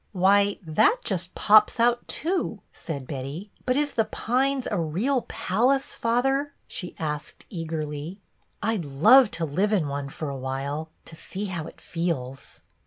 "Why, that just pops out too," said Betty. "But is The Pines a real palace, father.''" she asked eagerly. " I 'd love to live in one for a while, to see how it feels."